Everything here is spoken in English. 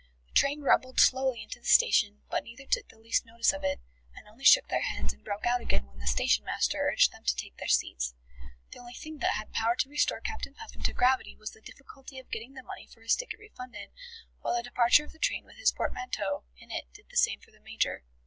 The train rumbled slowly into the station, but neither took the least notice of it, and only shook their heads and broke out again when the station master urged them to take their seats. The only thing that had power to restore Captain Puffin to gravity was the difficulty of getting the money for his ticket refunded, while the departure of the train with his portmanteau in it did the same for the Major.